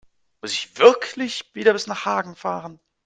Muss ich wirklich wieder bis nach Hagen fahren?